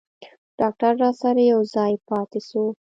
ډاکتر راسره يوازې پاته سو.